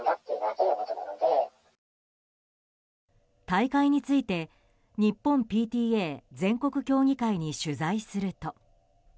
退会について日本ＰＴＡ全国協議会に取材すると。